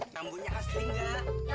tambuhnya asli nggak